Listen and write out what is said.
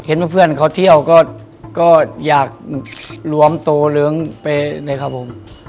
เห็นว่าเพื่อนเขาเที่ยวก็อยากรวมโตเหลืองไปเลยครับผม